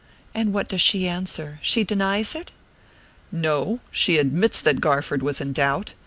"And what does she answer? She denies it?" "No. She admits that Garford was in doubt.